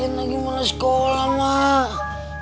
yan lagi mana sekolah mas